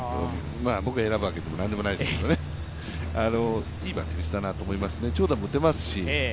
僕が選ぶわけでも何でもないですけどねいいバッティングをしたなと思いますね、長打も打てますし。